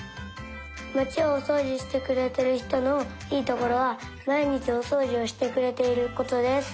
まちをおそうじしてくれてるひとのいいところはまいにちおそうじをしてくれていることです。